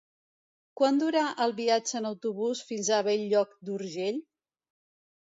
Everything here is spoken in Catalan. Quant dura el viatge en autobús fins a Bell-lloc d'Urgell?